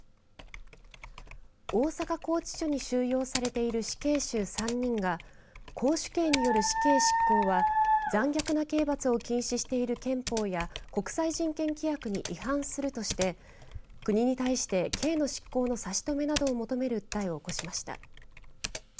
大阪拘置所に収容されている死刑囚３人が絞首刑による死刑執行は残虐な刑罰を禁止している憲法や国際人権規約に違反するとして国に対して、刑の執行の差し止めなどを求める訴えを起こしました。